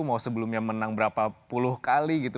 mau sebelumnya menang berapa puluh kali gitu